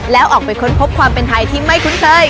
แล้วออกไปค้นพบความเป็นไทยที่ไม่คุ้นเคย